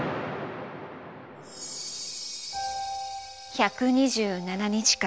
１２７日間。